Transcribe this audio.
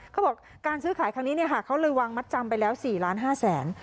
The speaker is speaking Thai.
เขาบอกการซื้อขายครั้งนี้เขาเลยวางมัดจำไปแล้ว๔ล้าน๕แสน